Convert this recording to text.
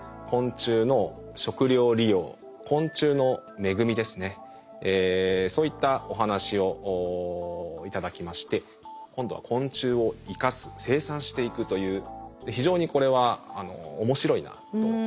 昆虫の食料利用昆虫の恵みですねそういったお話を頂きまして今度は昆虫を生かす生産していくという非常にこれは面白いなと。